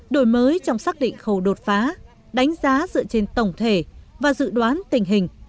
đổi mới trong xác định khâu đột phá đánh giá dựa trên tổng thể và dự đoán tình hình